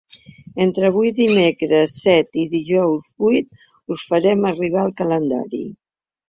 Entre avui dimecres set i dijous vuit us farem arribar el calendari.